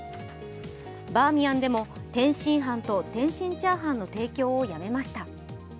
バーミヤンでも天津飯と天津チャーハンの提供をやめました。